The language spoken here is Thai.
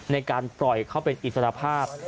ในการปล่อยเขาเป็นอิสระภาพ